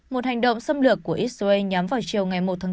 một hành động xâm lược của israel nhắm vào chiều ngày một tháng bốn